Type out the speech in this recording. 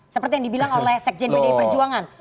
seperti yang dibilang oleh sekjen pdi perjuangan